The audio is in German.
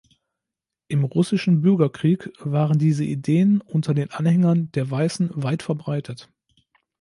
Im Russischen Bürgerkrieg waren diese Ideen unter den Anhängern der Weißen weit verbreitet.